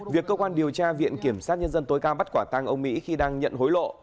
việc cơ quan điều tra viện kiểm sát nhân dân tối cao bắt quả tăng ông mỹ khi đang nhận hối lộ